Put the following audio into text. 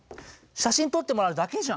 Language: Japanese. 写真撮ってもらうだけじゃん。